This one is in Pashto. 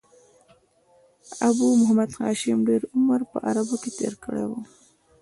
ابو محمد هاشم ډېر عمر په عربو کښي تېر کړی وو.